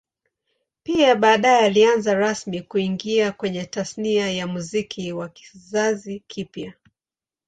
Pia baadae alianza rasmi kuingia kwenye Tasnia ya Muziki wa kizazi kipya